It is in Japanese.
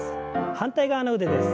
反対側の腕です。